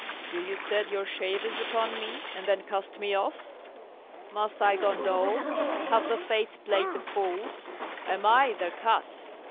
Do you set your shavers upon me, and then cast me off? must I condole? have the Fates played the fools? am I their cut?